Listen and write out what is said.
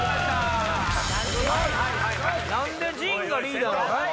何で陣がリーダーなの？